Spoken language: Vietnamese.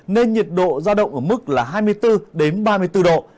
nên nhiệt độ ra động ở mức là hai mươi bốn đến ba mươi bốn độ